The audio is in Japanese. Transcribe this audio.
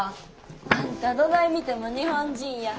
あんたどない見ても日本人や。